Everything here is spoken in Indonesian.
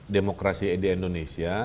demokrasi di indonesia